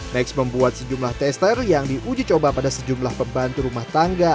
next membuat sejumlah tester yang diuji coba pada sejumlah pembantu rumah tangga